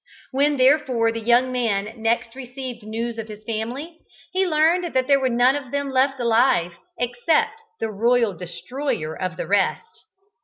When, therefore, the young man next received news of his family, he learned that there were none of them left alive except the royal destroyer of the rest.